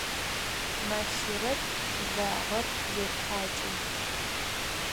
Масирэт лагъэр етхьакӏы.